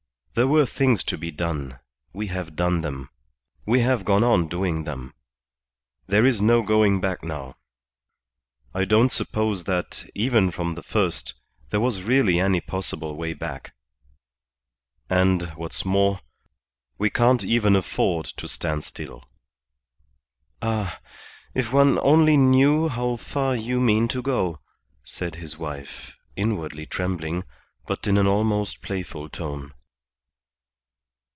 There were things to be done. We have done them; we have gone on doing them. There is no going back now. I don't suppose that, even from the first, there was really any possible way back. And, what's more, we can't even afford to stand still." "Ah, if one only knew how far you mean to go," said his wife inwardly trembling, but in an almost playful tone.